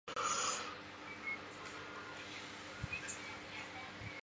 奥尔人口变化图示